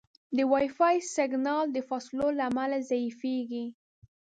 د وائی فای سګنل د فاصلو له امله ضعیفېږي.